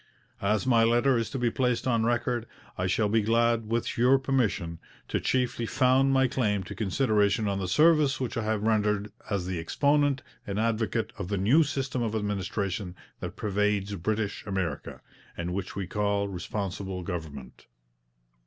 'As my letter is to be placed on record, I shall be glad, with your permission, to chiefly found my claim to consideration on the service which I have rendered as the exponent and advocate of the new system of administration that pervades British America, and which we call Responsible Government.'